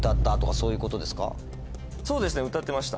そうですね歌ってました。